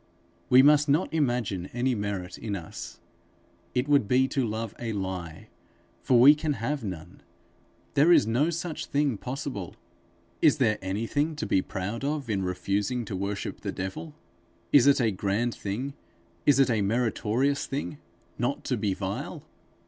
We must not imagine any merit in us: it would be to love a lie, for we can have none; there is no such thing possible. Is there anything to be proud of in refusing to worship the devil? Is it a grand thing, is it a meritorious thing, not to be vile?